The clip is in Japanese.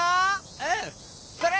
うん！それ！